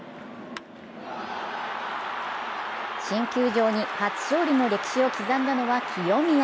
新球場に初勝利の歴史を刻んだのは清宮。